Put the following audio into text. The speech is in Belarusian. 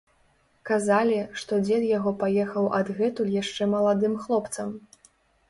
Казалі, што дзед яго паехаў адгэтуль яшчэ маладым хлопцам.